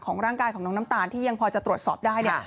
ร่างกายของน้องน้ำตาลที่ยังพอจะตรวจสอบได้เนี่ย